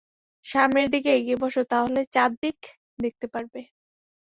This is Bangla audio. সামনের দিকে এগিয়ে বসো, তাহলে চাদ্দিক দেখে যেতে পারবে।